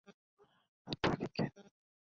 লোকাতে তো পারবে।